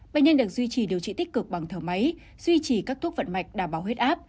bệnh nhân được duy trì điều trị tích cực bằng thở máy duy trì các thuốc vận mạch đảm bảo huyết áp